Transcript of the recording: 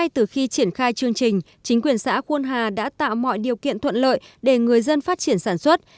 từ khi triển khai chương trình chính quyền xã khuôn hà đã tạo mọi điều kiện thuận lợi để người dân phát triển sản xuất